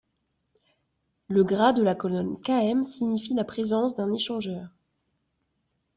Le gras dans la colonne km signifie la présence d'un échangeur.